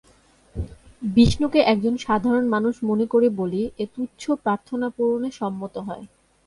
বিষ্ণুকে একজন সাধারণ মানুষ মনে করে বলি এ তুচ্ছ প্রার্থনা পূরণে সম্মত হয়।